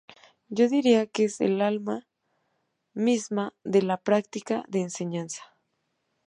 Yo diría que es el alma misma de la práctica de enseñanza.